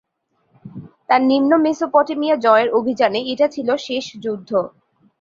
তার নিম্ন মেসোপটেমিয়া জয়ের অভিযানে এটা ছিল শেষ যুদ্ধ।